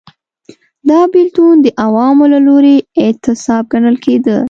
دا بېلتون د عوامو له لوري اعتصاب ګڼل کېده.